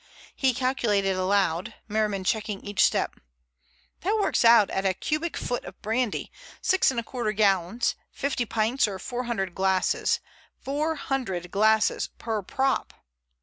He calculated aloud, Merriman checking each step. "That works out at a cubic foot of brandy, six and a quarter gallons, fifty pints or four hundred glasses four hundred glasses per prop."